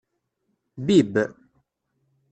Bibb.